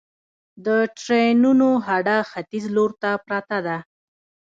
د ټرېنونو هډه ختیځ لور ته پرته ده